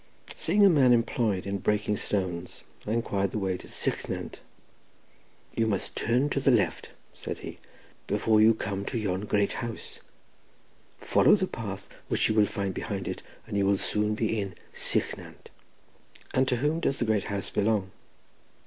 Seeing a man employed in breaking stones, I inquired the way to Sychnant. "You must turn to the left," said he, "before you come to yon great house, follow the path which you will find behind it, and you will soon be in Sychnant." "And to whom does the great house belong?"